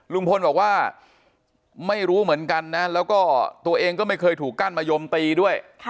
ลุงพลบอกว่าไม่รู้เหมือนกันนะแล้วก็ตัวเองก็ไม่เคยถูกกั้นมะยมตีด้วย